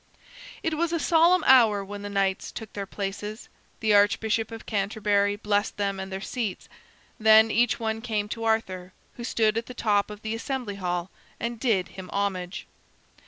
It was a solemn hour when the knights took their places. The Archbishop of Canterbury blessed them and their seats. Then each one came to Arthur, who stood at the top of the Assembly Hall, and did him homage.